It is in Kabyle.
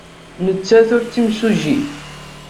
Nettat ur d timsujjit.